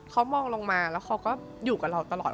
เขามองลงมาแล้วเขาก็อยู่กับเราตลอด